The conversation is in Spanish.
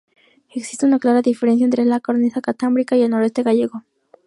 Existe una clara diferencia entre la cornisa cantábrica y el noroeste gallego.